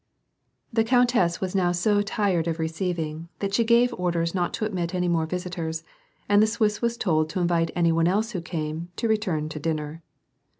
The countess was now so tired of receiving, that she gave orders not to admit any more visitors, and the Swiss was toljl to invite any one else who came, to return to dinner.